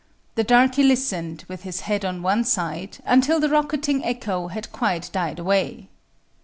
The darky listened, with his head on one side until the rocketing echo had quite died away.